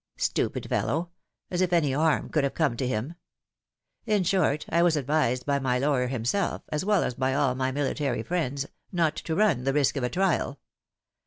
Stupid fellow ! as if any harm could have come to him ! In short, I was advised by my lawyer himself, as well as by all my military friends, not to run the risk of a trial.